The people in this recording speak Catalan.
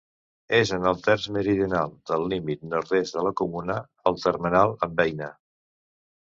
És en el terç meridional del límit nord-est de la comuna, al termenal amb Eina.